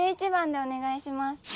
１１番でお願いします。